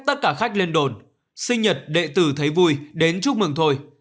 tất cả khách lên đồn sinh nhật đệ tử thấy vui đến chúc mừng thôi